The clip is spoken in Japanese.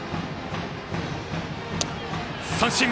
三振。